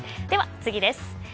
では、次です。